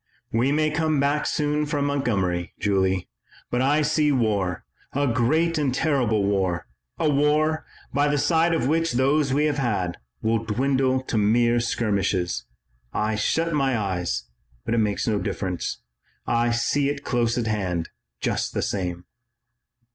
We may come back soon from Montgomery, Julie, but I see war, a great and terrible war, a war, by the side of which those we have had, will dwindle to mere skirmishes. I shut my eyes, but it makes no difference. I see it close at hand, just the same."